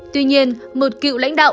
tuy nhiên một cựu lãnh đạo